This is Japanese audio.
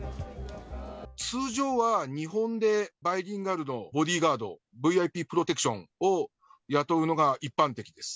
通常は、日本でバイリンガルのボディーガード、ＶＩＰプロテクションを雇うのが一般的です。